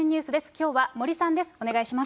きょうは森さんです。